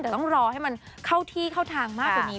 แต่ต้องรอให้มันเข้าที่เข้าทางมากกว่านี้